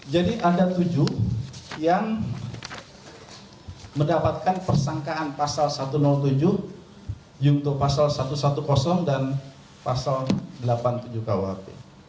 jadi ada tujuh yang mendapatkan persangkaan pasal satu ratus tujuh junto pasal satu ratus sepuluh dan pasal delapan puluh tujuh kuhp